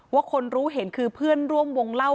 คนรู้เห็นคือเพื่อนร่วมวงเล่า